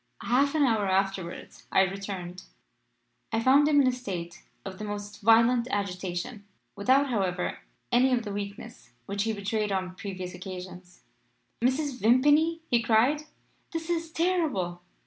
"Half an hour afterwards I returned. I found him in a state of the most violent agitation, without, however, any of the weakness which he betrayed on previous occasions. "'Mrs. Vimpany,' he cried, 'this is terrible!